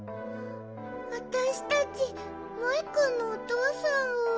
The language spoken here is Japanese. あたしたちモイくんのおとうさんを。